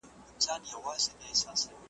پیغام د ښکلیو کلماتو، استعارو، `